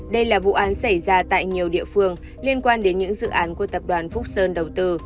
đây là vụ án xảy ra tại nhiều địa phương liên quan đến những dự án của tập đoàn phúc sơn đầu tư